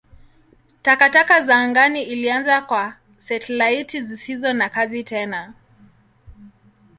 Takataka ya angani ilianza kwa satelaiti zisizo na kazi tena.